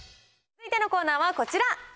続いてのコーナーはこちら。